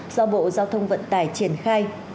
do bộ giao thông vận tải triển khai